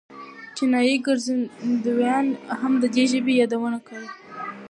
چینایي ګرځندویانو هم د دې ژبې یادونه کړې.